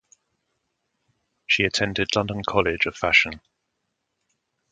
She attended London College of Fashion.